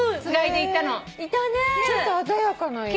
ちょっと鮮やかな色だね。